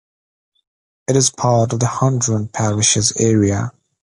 It is part of the Hundred Parishes area.